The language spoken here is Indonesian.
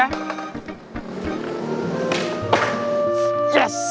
akhirnya ada orderan puisi